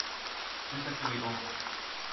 Nu sätter vi igång.